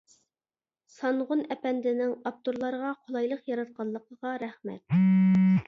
سانغۇن ئەپەندىنىڭ ئاپتورلارغا قولايلىق ياراتقانلىقىغا رەھمەت!